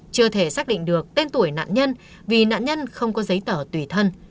chưa thể xác định được tên tuổi nạn nhân vì nạn nhân không có giấy tờ tùy thân